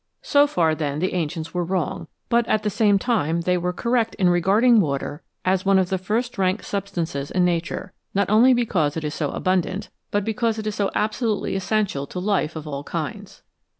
So far, then, the ancients were wrong, but at the same time they were correct in regarding water as one of the first rank substances in Nature, not only because it is so 95 NATURAL WATERS abundant, but because it is so absolutely essential to life of all kinds.